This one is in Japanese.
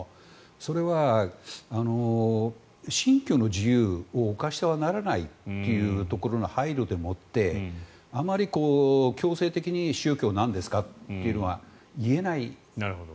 それは信教の自由を侵してはならないというところの配慮でもってあまり強制的に宗教はなんですかというのは言えない。